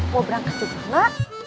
mau berangkat juga ma